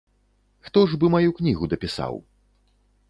Хто ж бы маю кнігу дапісаў?